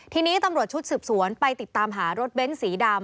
ทีนี้ตำรวจชุดสืบสวนไปติดตามหารถเบ้นสีดำ